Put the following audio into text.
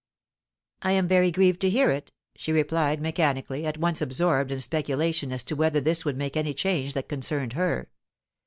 "I am very grieved to hear it," she replied, mechanically, at once absorbed in speculation as to whether this would make any change that concerned her.